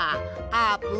あーぷん！